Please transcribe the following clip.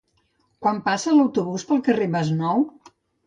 Quan passa l'autobús pel carrer Masnou?